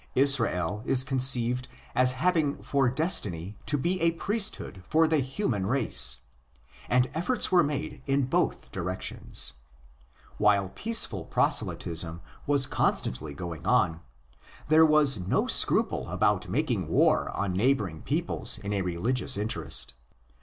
Israel is conceived as having for destiny to be a priesthood for the human race. And efforts were made in both directions. While peaceful proselytism was constantly going on, there was no scruple about making war on neighbouring peoples in a religious interest.